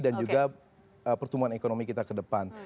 dan juga pertumbuhan ekonomi kita ke depan